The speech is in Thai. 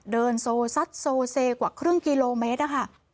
เดินโซซัดโซเซกว่าครึ่งกิโลเมตรอะค่ะ